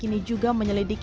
ini mau diapakan yang penting